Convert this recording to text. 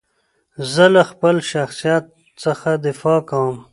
زه له خپل شخصیت څخه دفاع کوم.